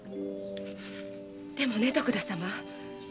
でもねえ徳田様。